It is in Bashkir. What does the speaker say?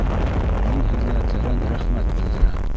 Мин һеҙгә тәрән рәхмәт белдерәм